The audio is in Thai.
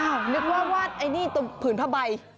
นึกว่าวาดไอ้นี่ตรงผืนผ้าใบ